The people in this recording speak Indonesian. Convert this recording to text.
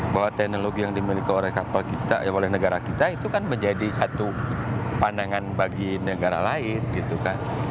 bahwa teknologi yang dimiliki oleh kapal kita oleh negara kita itu kan menjadi satu pandangan bagi negara lain gitu kan